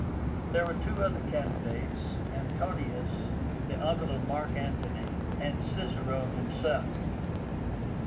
There were two other candidates, Antonius, the uncle of Mark Antony, and Cicero himself.